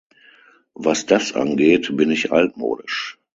Was das angeht, bin ich altmodisch.